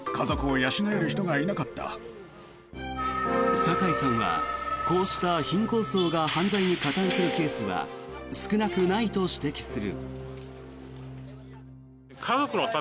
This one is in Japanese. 酒井さんは、こうした貧困層が犯罪に加担するケースは少なくないと指摘する。